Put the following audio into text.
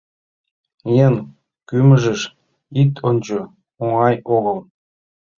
«Еҥ кӱмыжыш ит ончо, оҥай огыл».